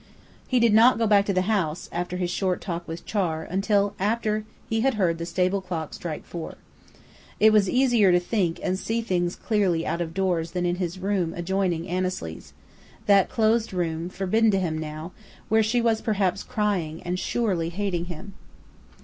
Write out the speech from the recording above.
He did not go back to the house, after his short talk with Char, until after he had heard the stable clock strike four. It was easier to think and see things clearly out of doors than in his room adjoining Annesley's that closed room, forbidden to him now, where she was perhaps crying, and surely hating him.